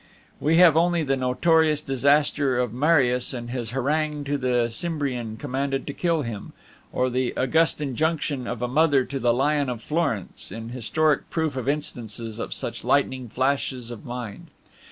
We have only the notorious disaster of Marius and his harangue to the Cimbrian commanded to kill him, or the august injunction of a mother to the Lion of Florence, in historic proof of instances of such lightning flashes of mind.